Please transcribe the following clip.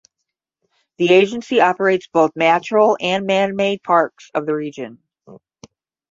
The agency operates both natural and manmade parks of the region.